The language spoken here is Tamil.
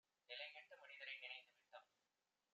நிலைகெட்ட மனிதரை நினைந்துவிட்டால்